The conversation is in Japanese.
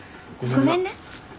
ごめんね。